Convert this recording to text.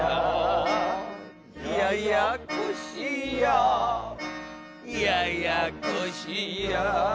ややこしやややこしや。